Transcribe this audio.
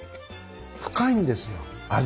深いんですよ味が。